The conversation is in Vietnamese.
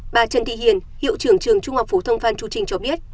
bà trần thị hiền hiệu trưởng trường trung học phổ thông phan chu trinh cho biết